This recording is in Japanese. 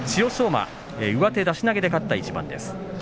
馬上手出し投げで勝った一番です。